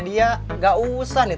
dia tidak usah menitip